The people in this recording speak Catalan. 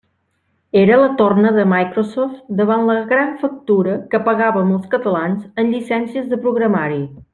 Era la torna de Microsoft davant la gran factura que pagàvem els catalans en llicències de programari.